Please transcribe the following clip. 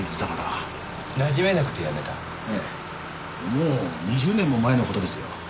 もう２０年も前の事ですよ。